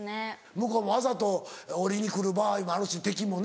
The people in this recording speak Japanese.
向こうもわざと折りに来る場合もあるし敵もね。